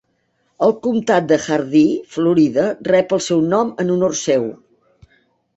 El comtat de Hardee, Florida rep el seu nom en honor seu.